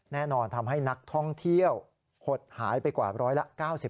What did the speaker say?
แน่นอนทำให้นักท่องเที่ยวหดหายไปกว่าร้อยละ๙๐